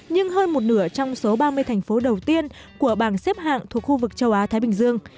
nhưng hơn một nửa trong số ba mươi thành phố đầu tiên của bảng xếp hạng thuộc khu vực châu á thái bình dương